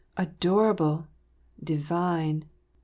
" Adorable !"..." Divin !''..."